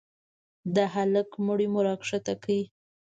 د هلك مړى مو راکښته کړ.